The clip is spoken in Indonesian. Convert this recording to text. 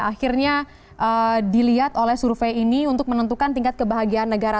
akhirnya dilihat oleh survei ini untuk menentukan tingkat kebahagiaan negara